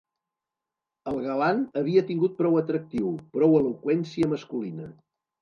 El galan havia tingut prou atractiu, prou eloqüència masculina.